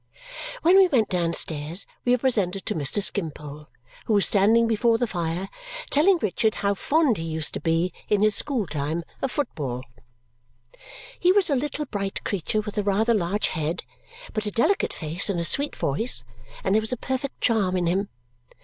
When we went downstairs, we were presented to Mr. Skimpole, who was standing before the fire telling Richard how fond he used to be, in his school time, of football. He was a little bright creature with a rather large head, but a delicate face and a sweet voice, and there was a perfect charm in him.